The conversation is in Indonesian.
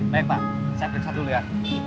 baik pak saya periksa dulu ya